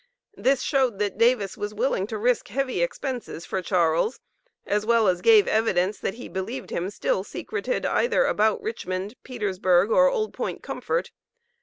This showed that Davis was willing to risk heavy expenses for Charles as well as gave evidence that he believed him still secreted either about Richmond, Petersburg, or Old Point Comfort.